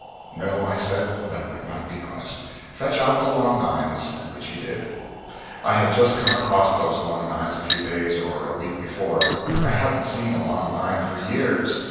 "No," I said, "that would not be honest. Fetch out the long nines" which he did. I had just come across those "long nines" a few days or a week before. I hadn't seen a long nine for years.